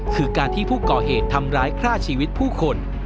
คือการที่ผู้ก่อเหตุทำร้ายฆ่าชีวิตผู้คน